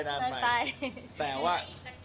แต่ว่า